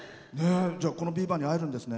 このビーバーに会えるんですね。